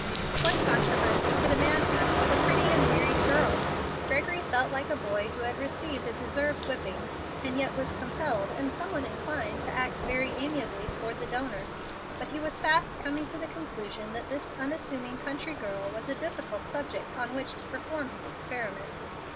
What controversy could a man have with a pretty and wearied girl? Gregory felt like a boy who had received a deserved whipping and yet was compelled and somewhat inclined to act very amiably toward the donor. But he was fast coming to the conclusion that this unassuming country girl was a difficult subject on which to perform his experiment.